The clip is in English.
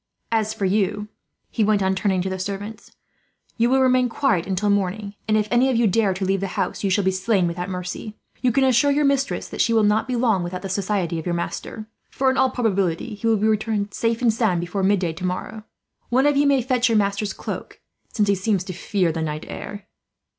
"As for you," he went on, turning to the servants, "you will remain quiet until morning; and if any of you dare to leave the house, you will be slain without mercy. You can assure your mistress that she will not be long without the society of your master; for in all probability he will be returned, safe and sound, before midday tomorrow. One of you may fetch your master's cloak, since he seems to fear the night air."